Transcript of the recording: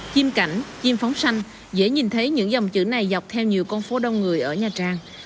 chim cảnh chim phóng xanh dễ nhìn thấy những dòng chữ này dọc theo nhiều con phố đông người ở nha trang